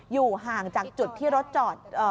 อยู่ห่างจากจุดที่รถจอด